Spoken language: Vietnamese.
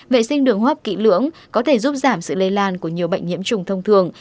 vệ sinh đường hấp kỹ lưỡng có thể giúp giảm sự lây lan của nhiều bệnh nhiễm trùng thông thường